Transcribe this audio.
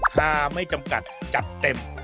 ถ้าไม่จำกัดจัดเต็ม